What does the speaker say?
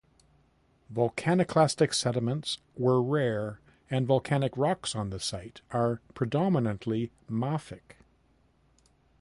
Volcaniclastic sediments were rare and volcanic rocks on the site are predominantly mafic.